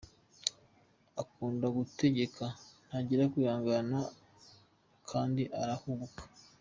Akunda gutegeka, ntagira kwihangana kandi arahubuka.